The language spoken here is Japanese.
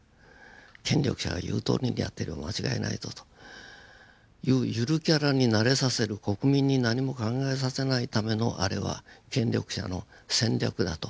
権力者が言うとおりにやってれば間違いないぞというゆるキャラに慣れさせる国民に何も考えさせないためのあれは権力者の戦略だと。